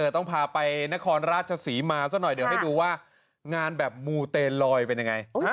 ต้องพาไปนครราชศรีมาซะหน่อยเดี๋ยวให้ดูว่างานแบบมูเตลอยเป็นยังไง